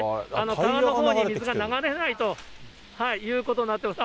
川のほうに水が流れないということになってます。